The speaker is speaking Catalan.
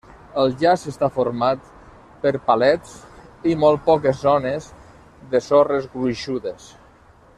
El jaç està format per palets i molt poques zones de sorres gruixudes.